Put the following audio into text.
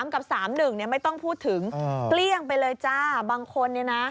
กับ๓๑เนี่ยไม่ต้องพูดถึงเกลี้ยงไปเลยจ้าบางคนเนี่ยนะ